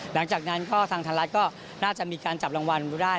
หลังจากนั้นก็ทางไทยรัฐก็น่าจะมีการจับรางวัลได้